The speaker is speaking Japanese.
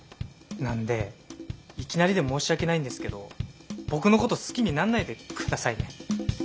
なんでいきなりで申し訳ないんですけど僕のこと好きになんないで下さいね。